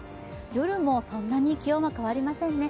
夜もそんなに気温は変わりませんね。